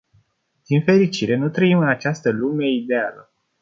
Din nefericire, nu trăim în această lume ideală.